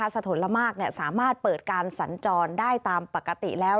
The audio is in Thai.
ถนนละมากสามารถเปิดการสัญจรได้ตามปกติแล้ว